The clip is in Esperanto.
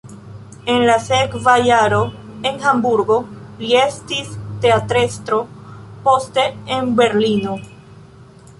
En la sekva jaro en Hamburgo li estis teatrestro, poste en Berlino.